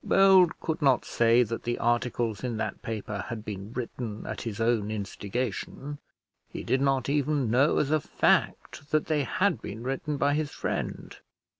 Bold could not say that the articles in that paper had been written at his own instigation. He did not even know, as a fact, that they had been written by his friend.